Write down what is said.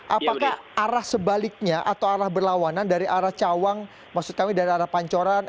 apakah arah sebaliknya atau arah berlawanan dari arah cawang maksud kami dari arah pancoran